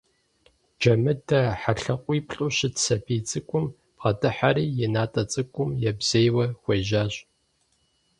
Джэмыдэ хьэлъакъуиплӀу щыт сабий цӀыкӀум бгъэдыхьэри и натӀэ цӀыкӀум ебзейуэ хуежьащ.